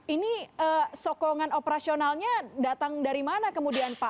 ini sokongan operasionalnya datang dari mana kemudian pak